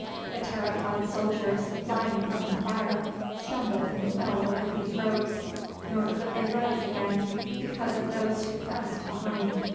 The terrified soldiers, flying from the fire, stumbled and fell over these ropes, nor could they rise again because of those who pressed behind.